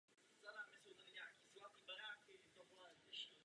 Na Sovětské Rusko se ve svých materiálech dobrovolně odkazuje.